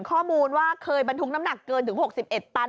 ข้อมูลว่าเคยบรรทุกน้ำหนักเกินถึง๖๑ตัน